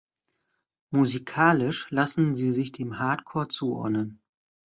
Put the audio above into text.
Musikalisch lassen sie sich dem Hardcore zuordnen.